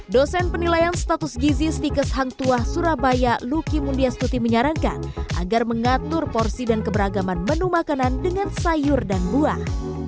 dosen penilaian status gizi stikes hangtuah surabaya luki mundiastuti menyarankan agar mengatur porsi dan keberagaman menu makanan dengan sayur dan buah